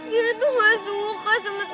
gary tuh gak suka sama tata